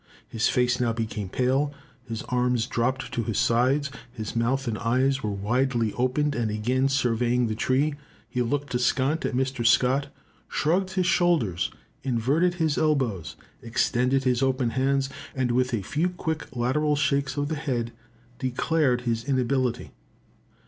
His face now became pale, his arms dropped to his sides, his mouth and eyes were widely opened, and again surveying the tree, he looked askant at Mr. Scott, shrugged his shoulders, inverted his elbows, extended his open hands, and with a few quick lateral shakes of the head declared his inability.